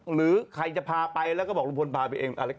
หรือใครจะพาไปแล้วก็บอกลุงพลพาไปเอง